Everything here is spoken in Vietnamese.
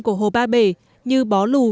của hồ ba bể như bó lù